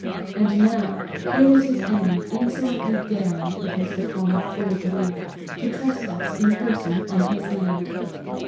And now here was his enemy insolently daring, as Mr. Palmer fully believed, to trespass in person on his land!